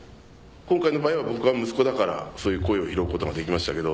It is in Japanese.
今回の場合は僕は息子だからそういう声を拾うことができましたけど。